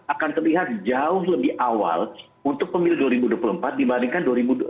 akan terlihat jauh lebih awal untuk pemilu dua ribu dua puluh empat dibandingkan dua ribu dua puluh